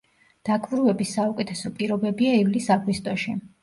დაკვირვების საუკეთესო პირობებია ივლის-აგვისტოში.